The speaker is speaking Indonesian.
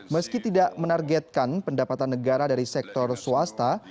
meski tidak menargetkan pendapatan negara dari sektor swasta